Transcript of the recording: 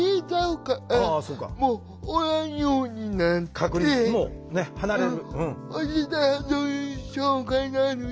隔離もう離れる。